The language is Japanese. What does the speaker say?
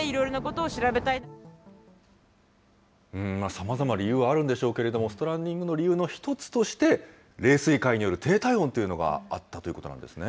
さまざま理由はあるんでしょうけれども、ストランディングの理由の１つとして、冷水塊による低体温というのがあったということなんですね。